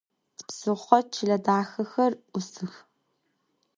Tipsıxho çıle daxexer 'usıx.